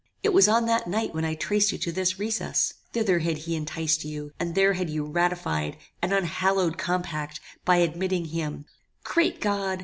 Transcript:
It was on that night when I traced you to this recess. Thither had he enticed you, and there had you ratified an unhallowed compact by admitting him "Great God!